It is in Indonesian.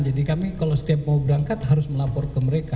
jadi kami kalau setiap mau berangkat harus melapor ke mereka